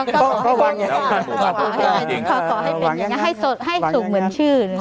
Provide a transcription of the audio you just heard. ก็ขอให้ความสุข